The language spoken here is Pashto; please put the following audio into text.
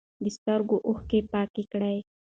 د سترګو اوښکې پاکې کړئ.